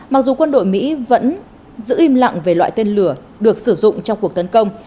mặc dù quân đội mỹ vẫn giữ im lặng về loại tên lửa được sử dụng trong cuộc tấn công